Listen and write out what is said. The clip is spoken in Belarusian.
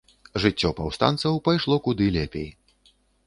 Жыццё паўстанцаў пайшло куды лепей.